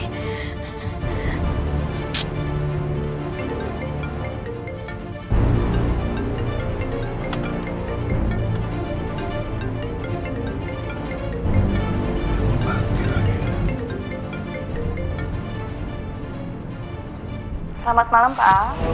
selamat malam pak